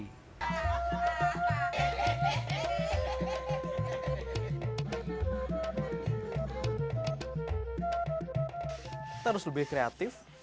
kita harus lebih kreatif